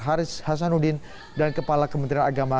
haris hasanuddin dan kepala kementerian agama